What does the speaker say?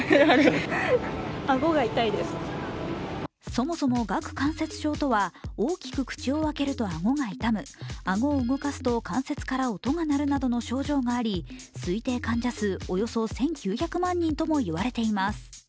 そもそも顎関節症とは大きく口を開けると顎が痛む、顎を動かすと関節から音が鳴るなどの症状があり、推定患者数およそ１９００万人ともいわれています。